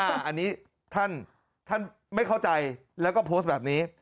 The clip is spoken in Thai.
อันนี้ท่านไม่เข้าใจแล้วก็โพสต์แบบนี้